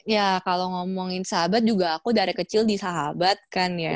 ya kalau ngomongin sahabat juga aku dari kecil di sahabat kan ya